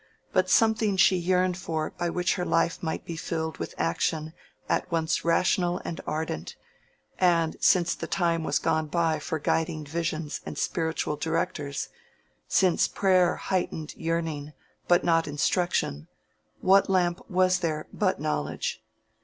But something she yearned for by which her life might be filled with action at once rational and ardent; and since the time was gone by for guiding visions and spiritual directors, since prayer heightened yearning but not instruction, what lamp was there but knowledge?